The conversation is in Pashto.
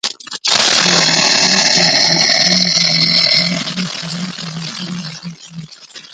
لمریز ځواک د افغانستان د امنیت په اړه هم پوره او رغنده اغېز لري.